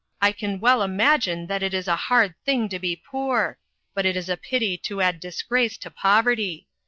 I can well imagine that it is a hard thing to be poor ; but it is a pity to add disgrace to poverty.